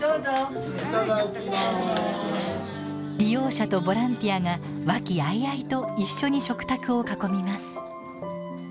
利用者とボランティアが和気あいあいと一緒に食卓を囲みます。